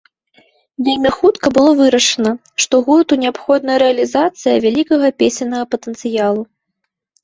Вельмі хутка было вырашана, што гурту неабходна рэалізацыя вялікага песеннага патэнцыялу.